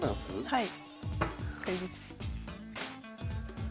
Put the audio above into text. はい。